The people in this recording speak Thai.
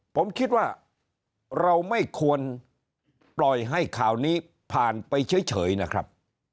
ผมคิดว่าเราไม่ควรปล่อยให้ข่าวนี้ผ่านไปเฉยนะครับ